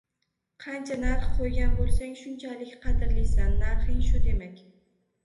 Qancha narx qo‘ygan bo‘lsang, shunchalik qadrlisan - narxing shu demak.